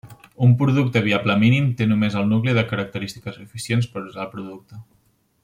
Un producte viable mínim té només el nucli de característiques suficients per usar el producte.